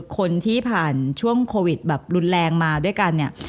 คนที่ผ่านช่วงโควิดแบบรุนแรงมาด้วยกันเนี่ย